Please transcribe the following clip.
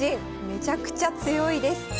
めちゃくちゃ強いです。